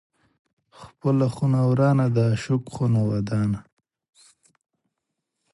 ـ خپله خونه ورانه، د عاشق خونه ودانه.